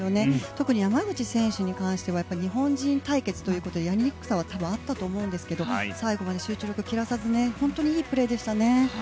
特に山口選手に関しては日本人対決ということでやりにくさはあったと思いますが最後まで集中力を切らさずいいプレーでした。